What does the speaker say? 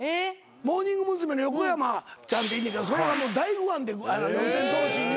モーニング娘。の横山ちゃんっていんねんけどそれが大ファンで四千頭身の。